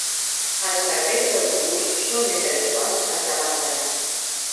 Els serveis d'autobús són més habituals a Santa Barbara.